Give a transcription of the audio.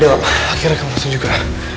akhirnya kamu langsung juga